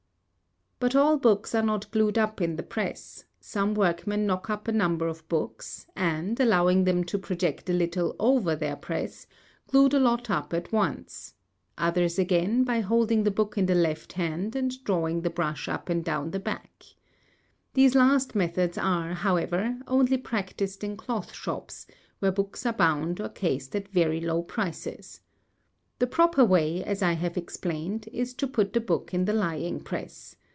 |46| But all books are not glued up in the press; some workmen knock up a number of books, and, allowing them to project a little over their press, glue the lot up at once; others again, by holding the book in the left hand and drawing the brush up and down the back. These last methods are, however, only practised in cloth shops, where books are bound or cased at very low prices. The proper way, as I have explained, is to put the book in the lying press.